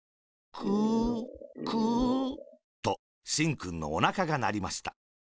「クー、クー。」と、しんくんのおなかがなりました。